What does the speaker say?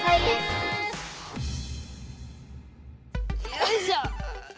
よいしょ。